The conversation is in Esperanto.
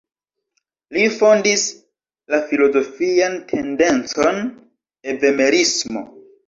Li fondis la filozofian tendencon Evemerismo.